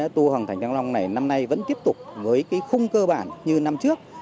tour hoàng thành trang long này năm nay vẫn tiếp tục với khung cơ bản như năm trước